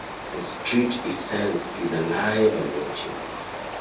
The street itself is alive and watching.